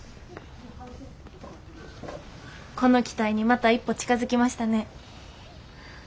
この機体にまた一歩近づきましたね。